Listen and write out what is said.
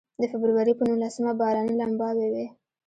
د فبروري په نولسمه باراني لمباوې وې.